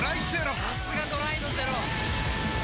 さすがドライのゼロ！